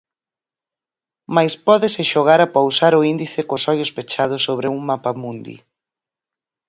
Mais pódese xogar a pousar o índice cos ollos pechados sobre un mapamundi.